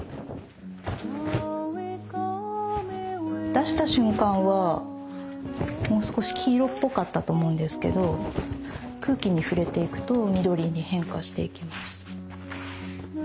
出した瞬間はもう少し黄色っぽかったと思うんですけど空気に触れていくと緑に変化していきます。